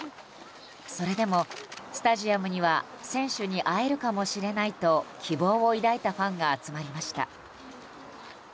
それでも、スタジアムには選手に会えるかもしれないと希望を抱いたファンが集まりました。